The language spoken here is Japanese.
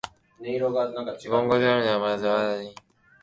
コンゴ共和国の首都はブラザヴィルである